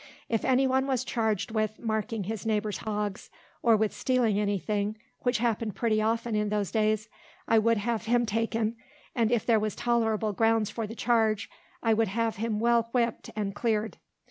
If any one was charged with marking his neighbour's hogs, or with stealing any thing, which happened pretty often in those days, I would have him taken, and if there was tolerable grounds for the charge, I would have him well whip'd and cleared.